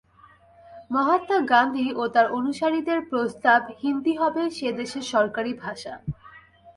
মহাত্মা গান্ধী ও তাঁর অনুসারীদের প্রস্তাব হিন্দি হবে সে দেশে সরকারি ভাষা।